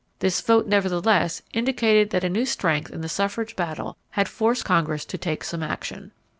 This vote, nevertheless, indicated that a new strength in the suffrage battle had forced Congress to take some action.